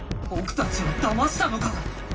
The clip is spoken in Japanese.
ぼくたちをだましたのか？